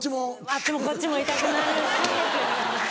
あっちもこっちも痛くなるし。